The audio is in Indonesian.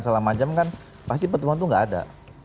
selama jam kan pasti pertemuan itu gak ada